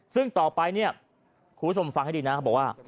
ซึ่งต่อไปเนี่ยคุณผู้ชมฟังให้ดีนะเขาบอกว่า